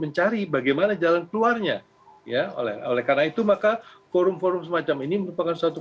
mencari bagaimana jalan keluarnya ya oleh oleh karena itu maka forum forum semacam ini merupakan suatu